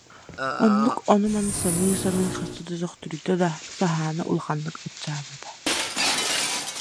Оннук ону-маны саныы-саныы хаста да төхтөрүйдэ да, саһаана улаханнык аччаабата